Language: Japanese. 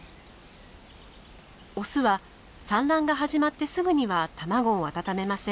オスは産卵が始まってすぐには卵を温めません。